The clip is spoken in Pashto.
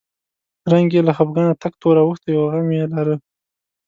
رنګ یې له خپګانه تک تور اوښتی و او یې غم لاره.